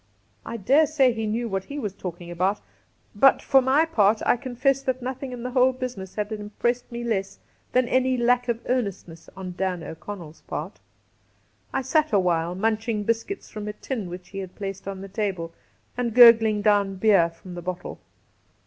I dare say he knew what he was talking about, but, for my part, I confess that nothing in the whole business had impressed me less than any lack of earnestness on Dan O'ConneU's part. I sat awhile munching biscuits from a tin which he had placed on the table and gurgling down beer from the bottle.